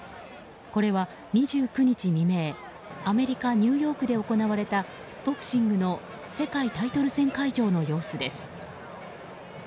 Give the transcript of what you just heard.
これは２９日未明アメリカ・ニューヨークで行われたボクシングの世界タイトル戦会場の様子です。